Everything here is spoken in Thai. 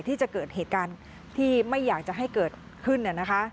ที่จะเกิดเหตุการณ์ที่ไม่อยากจะให้เกิดขึ้น